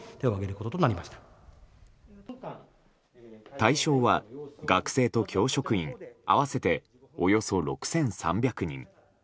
対象は学生と教職員合わせておよそ６３００人。